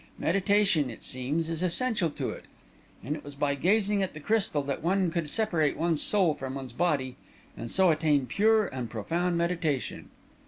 Meditation, it seems, is essential to it, and it was by gazing at the crystal that one could separate one's soul from one's body and so attain pure and profound meditation."